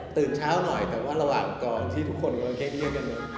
ตื่นเช้าหน่อยแต่ระหว่างที่ทุกคนกำลังแค้นเยอะนู่กัน